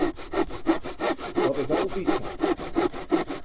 Dat is altyd sa.